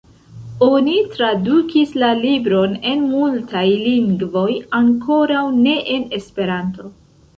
Oni tradukis la libron en multaj lingvoj, ankoraŭ ne en Esperanto.